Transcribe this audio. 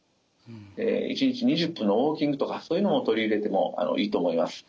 １日２０分のウォーキングとかそういうのも取り入れてもいいと思います。